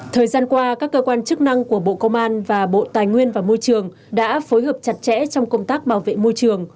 thời gian qua các cơ quan chức năng của bộ công an và bộ tài nguyên và môi trường đã phối hợp chặt chẽ trong công tác bảo vệ môi trường